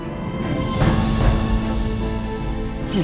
mama aku pasti ke sini